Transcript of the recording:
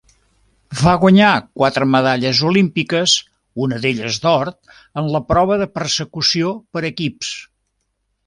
Va guanyar quatre medalles olímpiques, una d'elles d'or en la prova de Persecució per equips.